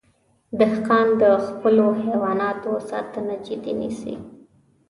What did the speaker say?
دهقان د خپلو حیواناتو ساتنه جدي نیسي.